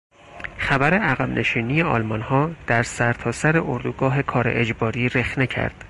خبر عقب نشینی آلمانها در سر تا سر اردوگاه کار اجباری رخنه کرد.